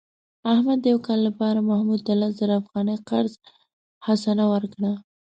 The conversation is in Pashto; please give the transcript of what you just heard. احمد د یو کال لپاره محمود ته لس زره افغانۍ قرض حسنه ورکړه.